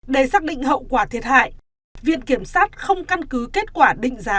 để xác định hậu quả thiệt hại viện kiểm sát không căn cứ kết quả định giá